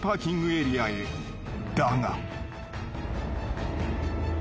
［だが］